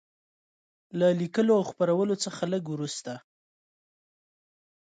له لیکلو او خپرولو څخه لږ وروسته.